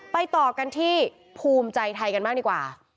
ต่อกันที่ภูมิใจไทยกันบ้างดีกว่า